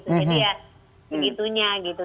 jadi ya begitunya gitu